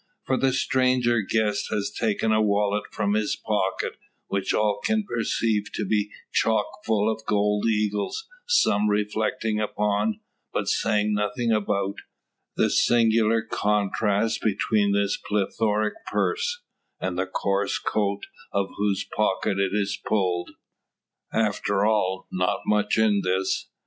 For the stranger guest has taken a wallet from his pocket, which all can perceive to be "chock full" of gold "eagles," some reflecting upon, but saying nothing about, the singular contrast between this plethoric purse, and the coarse coat out of whose pocket it is pulled. After all, not much in this.